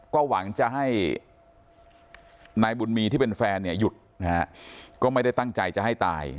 ก็หวังจะให้นายบุญมีที่เป็นแฟนเนี่ยหยุดนะฮะก็ไม่ได้ตั้งใจจะให้ตาย